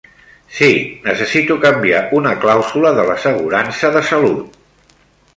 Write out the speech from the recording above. Sí, necessito canviar una clàusula de l'assegurança de salut.